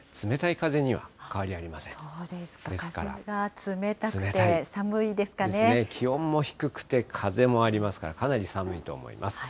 風が冷たくて寒気温も低くて風もありますから、かなり寒いと思います。